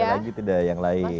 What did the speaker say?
sekali lagi tidak yang lain